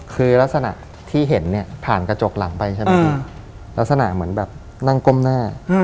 คือลักษณะที่เห็นผ่านกระจกหลังไปลักษณะเหมือนแบบนั่งก้มหน้า